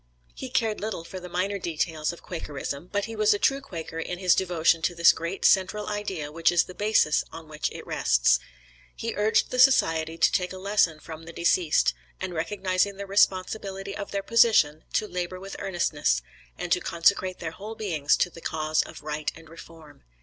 He cared little for the minor details of Quakerism, but he was a true Quaker in his devotion to this great central idea which is the basis on which it rests. He urged the Society to take a lesson from the deceased, and recognizing the responsibility of their position, to labor with earnestness, and to consecrate their whole beings to the cause of right and reform.